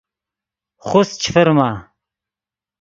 خوست چے فرما